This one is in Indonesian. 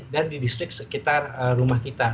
di distrik sekitar rumah kita